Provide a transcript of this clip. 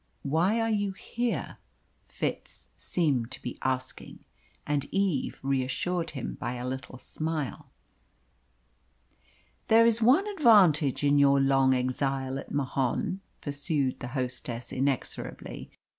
"Why are you here?" Fitz seemed to be asking. And Eve reassured him by a little smile. "There is one advantage in your long exile at Mahon," pursued the hostess inexorably.